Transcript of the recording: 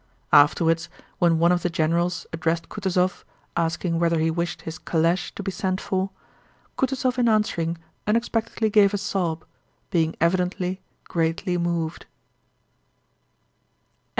Afterwards when one of the generals addressed Kutúzov asking whether he wished his calèche to be sent for, Kutúzov in answering unexpectedly gave a sob, being evidently greatly moved.